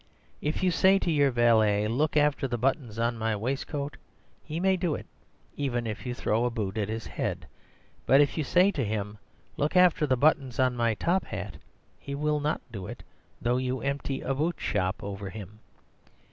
If you say to your valet, "Look after the buttons on my waistcoat," he may do it, even if you throw a boot at his head. But if you say to him, "Look after the buttons on my top hat," he will not do it, though you empty a boot shop over him.